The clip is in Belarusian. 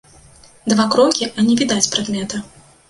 Два крокі, а не відаць прадмета.